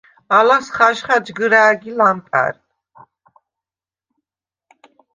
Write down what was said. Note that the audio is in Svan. ალას ხაჟხა ჯგჷრა̄̈გი ლამპა̈რ.